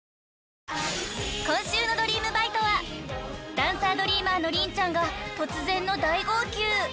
［今週の『ドリームバイト！』はダンサードリーマーの凛ちゃんが突然の大号泣］